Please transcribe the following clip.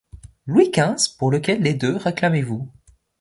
Louis qinze pour lequel des deux réclamez-vous